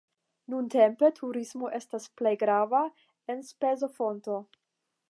Nuntempe turismo estas plej grava enspezofonto.